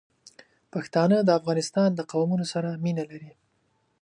پښتانه د افغانستان د قومونو سره مینه لري.